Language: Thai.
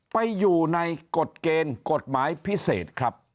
ไปอยู่ในกฎเกณฑ์กฎหมายพิเศษครับ